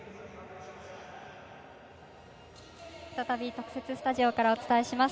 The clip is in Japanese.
特設スタジオからお伝えします。